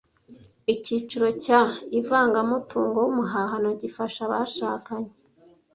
Icyiciro cya Ivangamutungo w umuhahano gifasha abashakanye